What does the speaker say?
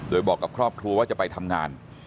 โดยบอกกับครอบครัวว่าจะไปทำงาน